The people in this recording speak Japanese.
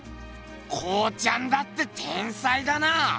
康ちゃんだって天才だな！